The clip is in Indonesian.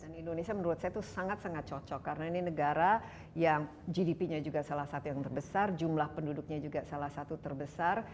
dan indonesia menurut saya itu sangat sangat cocok karena ini negara yang gdp nya juga salah satu yang terbesar jumlah penduduknya juga salah satu terbesar